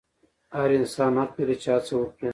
هر انسان حق لري چې هڅه وکړي.